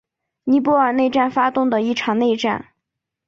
尼泊尔内战发动的一场内战。